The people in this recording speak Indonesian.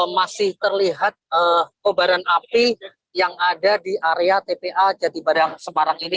masih terlihat kebaran api yang ada di area tpa jati barang semarang ini